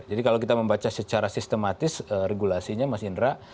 jadi kalau kita membaca secara sistematis regulasinya mas indra